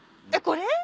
これ。